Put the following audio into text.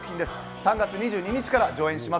３月２２日から上演します。